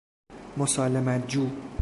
مسالمت جو